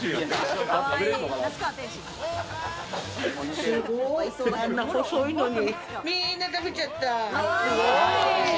すごい、あんな細いのに、みんな食べちゃった。